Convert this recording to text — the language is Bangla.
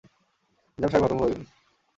নিজাম সাহেব হতভম্ব হয়ে গেলেন।